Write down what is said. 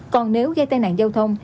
còn nếu gây tai nạn giao thông